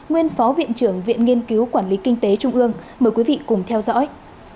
nguyên phó viện trưởng viện nghiên cứu quản lý kinh tế trung ương mời quý vị cùng theo dõi